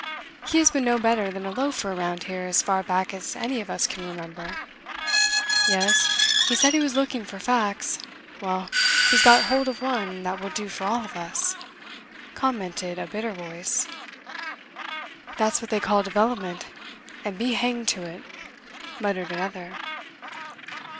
He has been no better than a loafer around here as far back as any of us can remember." "Yes, he said he was looking for facts. Well, he's got hold of one that will do for all of us," commented a bitter voice. "That's what they call development and be hanged to it!" muttered another.